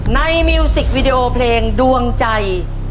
มิวสิกวีดีโอเพลงดวงใจ